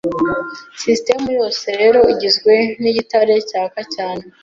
Sisitemu yose rero igizwe nigitare cyaka cyane